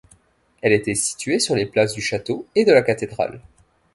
Elle était située sur les places du Château et de la Cathédrale.